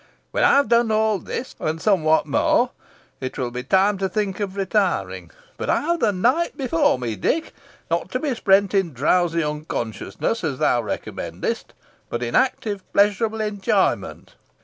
When I have done all this, and somewhat more, it will be time to think of retiring. But I have the night before me, Dick not to be spent in drowsy unconsciousness, as thou recommendest, but in active, pleasurable enjoyment.